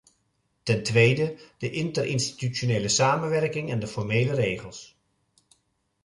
Ten tweede, de interinstitutionele samenwerking en de formele regels.